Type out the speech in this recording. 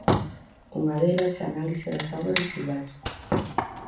Unha delas é a análise das augas residuais.